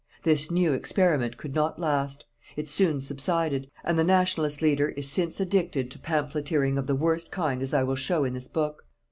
This new experiment could not last. It soon subsided. And the Nationalist leader is since addicted to pamphleteering of the worst kind as I will show in this book.